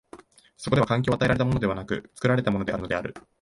そこでは環境は与えられたものでなく、作られたものであるのである。